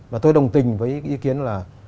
và tôi đồng tình với ý kiến là